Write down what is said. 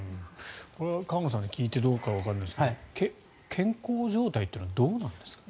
河野さんに聞いてどうかわかりませんが健康状態というのはどうなんですか。